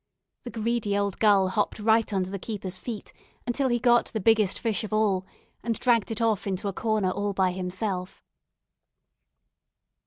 The greedy old gull hopped right under the keeper's feet, until he got the biggest fish of all, and dragged it off into a corner all by himself.